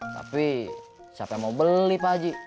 tapi siapa yang mau beli pak haji